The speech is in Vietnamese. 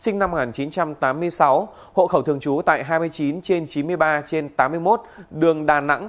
sinh năm một nghìn chín trăm tám mươi sáu hộ khẩu thường trú tại hai mươi chín trên chín mươi ba trên tám mươi một đường đà nẵng